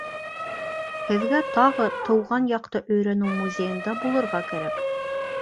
Һеҙгә тағы тыуған яҡты өйрәнеү музейында булырға кәрәк.